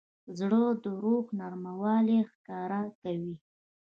زړه د روح نرموالی ښکاره کوي.